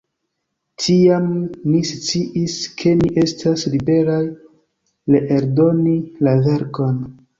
Tiam ni sciis ke ni estas liberaj reeldoni la verkon.